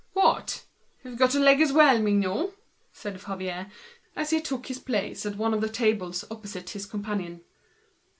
"What! you've got a leg as well, Mignot?" said Favier, as he took his place at one of the tables opposite his companion.